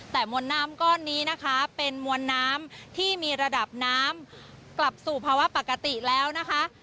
แต่มวลน้ำก้อนนี้นะคะเป็นมวลน้ำที่มีระดับน้ำกลับสู่ภาวะปกติแล้วนะคะ